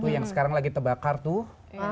yang sekarang lagi terbakar tuh